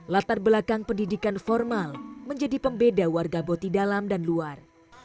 latar belakang pendidikan formal menjadi pembeda warga botidalam dan luar